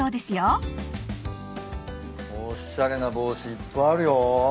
おっしゃれな帽子いっぱいあるよ。